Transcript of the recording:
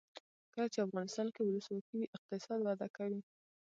کله چې افغانستان کې ولسواکي وي اقتصاد وده کوي.